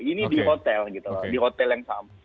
ini di hotel gitu loh di hotel yang sama